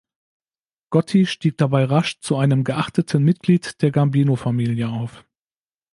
Gotti stieg dabei rasch zu einem geachteten Mitglied der Gambino-Familie auf.